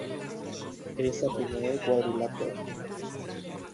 Es aplanado y cuadrilátero.